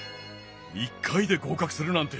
１回で合格するなんて